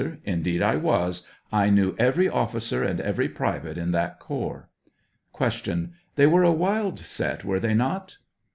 Indeed, I was; I knew every officer and every private in that corps. Q. They were a wild set, were they not